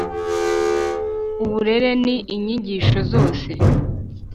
Uburere ni inyigisho zose